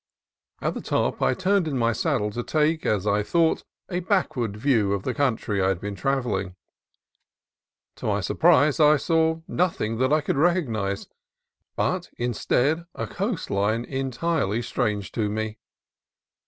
At the top I turned in my saddle to take, as I thought, a backward view of the country I had been travelling. To my surprise I saw no thing that I could recognize, but, instead, a coast line entirely strange to me.